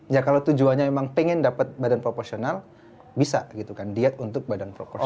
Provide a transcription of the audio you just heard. ya kalau tujuannya memang pengen dapat badan proporsional bisa gitu kan diet untuk badan proporsional